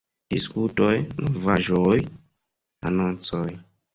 Diskutoj, Novaĵoj, Anoncoj.